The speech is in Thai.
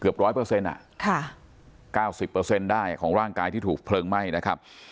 เกือบร้อยเปอร์สเซ็นต์อ่ะค่ะเก้าสิบเปอร์เซ็นต์ได้ของร่างกายที่ถูกเพลิงไหม้นะครับ